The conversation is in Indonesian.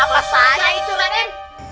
apa saja itu madem